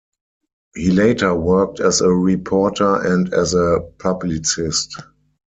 He later worked as a reporter and as a publicist.